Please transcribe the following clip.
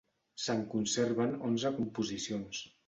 Se'n conserven onze composicions.